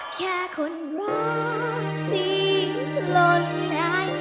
แค่คนร้องที่หล่นหาย